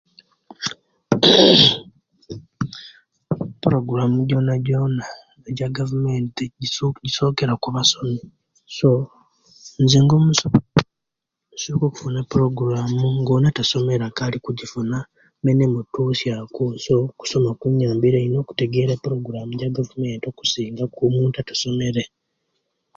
Programu jonajona jagavumenti giso gisokera kubasomi so nga nze omusomi nsoka okufuna eprogramu nga Ono etiyasomere akali okujisina nenimutusiya ku so okusoma kunyambire okutegera eprogramu ejagavumenti okusinga omuntu etiyasomere